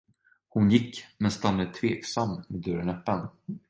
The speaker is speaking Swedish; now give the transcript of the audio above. Hon gick, men stannade tveksam, med dörren öppen.